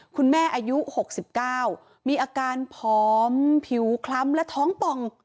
คุณแม่อายุหกสิบเก้ามีอาการพอมผิวคล่ำและท้องป่อง